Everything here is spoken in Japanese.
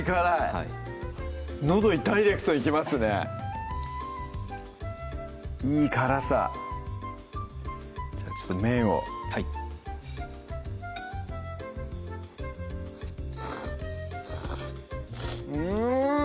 はいのどにダイレクトにきますねいい辛さじゃあちょっと麺をはいうん！